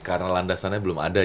karena landasannya belum ada